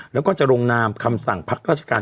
แล้วก็จะลงนามคำสั่งพักราชการ